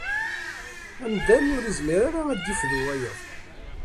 Amdan ur izmir ad d-ifdu wayeḍ.